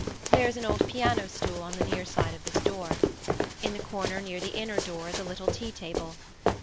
There is an old piano stool on the near side of this door. In the corner near the inner door is a little tea table.